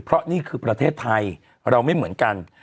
เพราะนี่คือประเทศไทยเราไม่เหมือนกัน